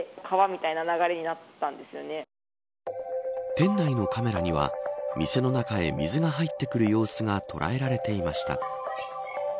店内のカメラには店の中へ水が入ってくる様子が捉えられていました。